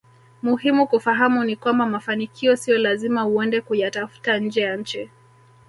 Muhimu kufahamu ni kwamba mafanikio sio lazima uende kuyatafuta nje ya nchi